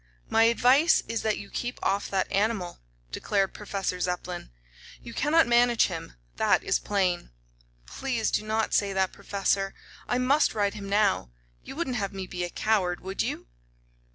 "My advice is that you keep off that animal," declared Professor Zepplin. "You cannot manage him; that is plain." "Please do not say that, Professor. I must ride him now. You wouldn't have me be a coward, would you?"